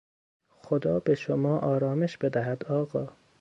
خدا به شما آرامش بدهد، آقا!